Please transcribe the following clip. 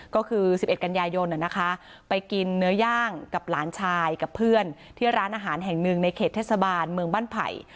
ก็คือ๑๑กันยายนไปกินเนื้อย่างกับหลานชายกับเพื่อนที่ร้านอาหารแห่งหนึ่งในเขตเทศบาลเมืองบ้านไผ่